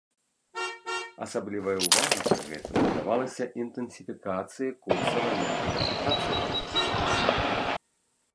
Асаблівая ўвага пры гэтым надавалася інтэнсіфікацыі курса ваеннага супрацоўніцтва.